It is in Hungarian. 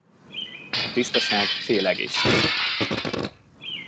A tisztaság fél egészség.